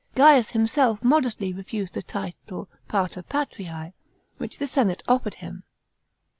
Gaius himself modestly refused the title Pater Patrise, which the senate offered him.